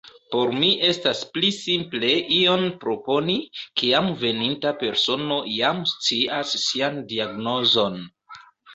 Por mi estas pli simple ion proponi, kiam veninta persono jam scias sian diagnozon.